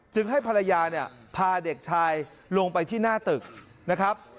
ให้ภรรยาเนี่ยพาเด็กชายลงไปที่หน้าตึกนะครับ